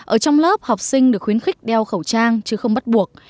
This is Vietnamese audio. ở trong lớp học sinh được khuyến khích đeo khẩu trang chứ không bắt buộc